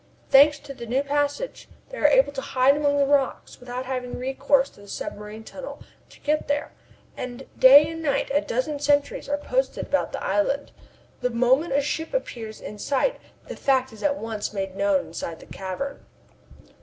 Thanks to the new passage, they are able to hide among the rocks without having recourse to the submarine tunnel to get there, and day and night a dozen sentries are posted about the island. The moment a ship appears in sight the fact is at once made known inside the cavern.